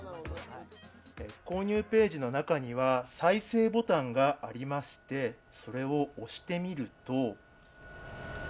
購入ページの中には再生ボタンがありまして、それを押してみると。